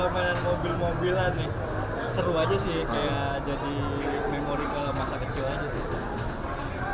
mainan mobil mobilan ini seru saja sih kayak ada di memori ke masa kecil saja sih